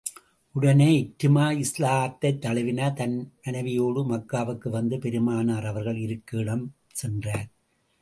உடனே இக்ரிமா இஸ்லாத்தைத் தழுவினார் தம் மனைவியோடு மக்காவுக்கு வந்து பெருமானார் அவர்கள் இருக்கும் இடம் சென்றார்.